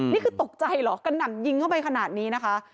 นี่คือตกใจเหรอกระหน่ำยิงเข้าไปขนาดนี้นะคะ